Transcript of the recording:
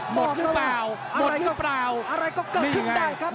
หมดหรือเปล่าหมดหรือเปล่าอะไรก็เกิดขึ้นได้ครับ